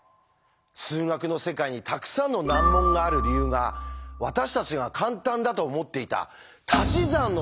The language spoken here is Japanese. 数学の世界にたくさんの難問がある理由が私たちが簡単だと思っていたたし算のせいだなんて。